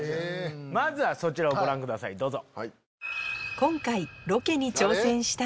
まずはそちらをご覧くださいどうぞ。